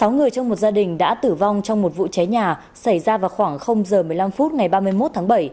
sáu người trong một gia đình đã tử vong trong một vụ cháy nhà xảy ra vào khoảng giờ một mươi năm phút ngày ba mươi một tháng bảy